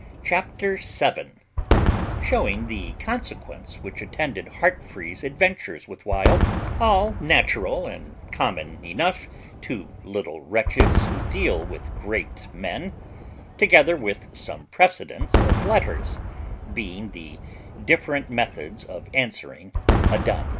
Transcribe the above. CHAPTER SEVEN SHEWING THE CONSEQUENCE WHICH ATTENDED HEARTFREE'S ADVENTURES WITH WILD; ALL NATURAL AND COMMON ENOUGH TO LITTLE WRETCHES WHO DEAL WITH GREAT MEN; TOGETHER WITH SOME PRECEDENTS OF LETTERS, BEING THE DIFFERENT METHODS OF ANSWERING A DUN.